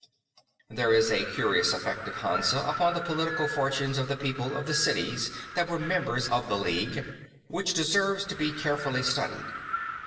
There is a curious effect of Hansa upon the political fortunes of the people of the cities that were members of the League which deserves to be carefully studied.